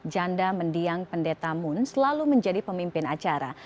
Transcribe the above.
janda mendiang pendeta moon selalu menjadi pemimpin acara